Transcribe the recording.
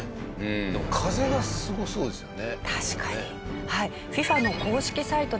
でも風がすごそうですよね。